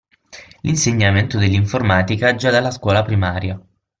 L'insegnamento dell'informatica già dalla scuola primaria.